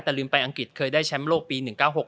แต่ลืมไปอังกฤษเคยได้แชมป์โลกปี๑๙๖